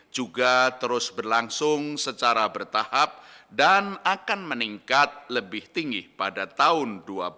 juga terus berlangsung secara bertahap dan akan meningkat lebih tinggi pada tahun dua ribu dua puluh